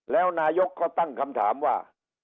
แล้วนายกก็ตั้งคำถามว่า